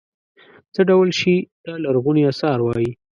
څه ډول شي ته لرغوني اثار وايي.